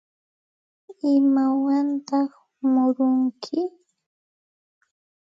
¿Imawantaq murunki?